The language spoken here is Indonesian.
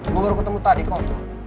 gue baru ketemu tadi kok